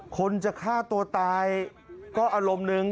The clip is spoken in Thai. คนจะฆ่าตัวตายก็อารมณ์นึง